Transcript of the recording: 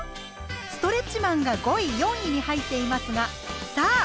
「ストレッチマン」が５位４位に入っていますがさあ